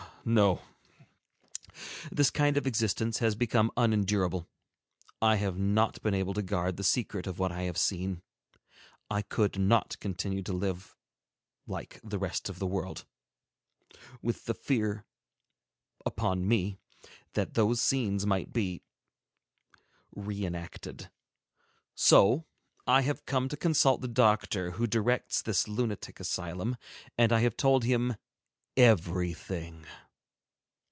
Ah! no! This kind of existence has become unendurable. I have not been able to guard the secret of what I have seen. I could not continue to live like the rest of the world, with the fear upon me that those scenes might be re enacted. So I have come to consult the doctor who directs this lunatic asylum, and I have told him everything.